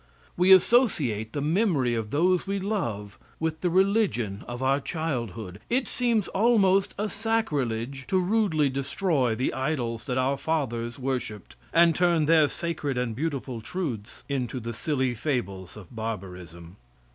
We associate the memory of those we love with the religion of our childhood. It seems almost a sacrilege to rudely destroy the idols that our fathers worshiped, and turn their sacred and beautiful truths into the silly fables of barbarism.